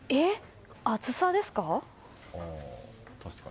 厚さですか？